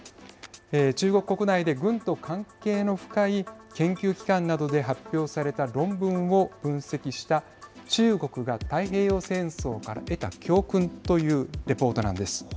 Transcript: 中国国内で軍と関係の深い研究機関などで発表された論文を分析した中国が太平洋戦争から得た教訓というレポートなんです。